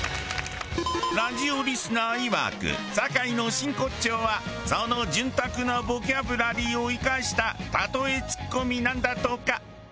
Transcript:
ラジオリスナーいわく酒井の真骨頂はその潤沢なボキャブラリーを生かした例えツッコミなんだとか。